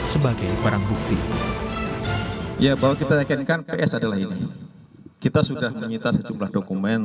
sebagai barang bukti ya bahwa kita yakinkan ps adalah ini kita sudah menyita sejumlah dokumen